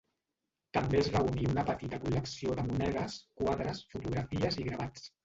També es reuní una petita col·lecció de monedes, quadres, fotografies i gravats.